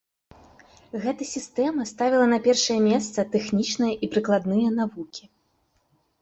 Гэта сістэма ставіла на першае месца тэхнічныя і прыкладныя навукі.